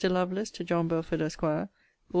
LOVELACE, TO JOHN BELFORD, ESQ. AUG.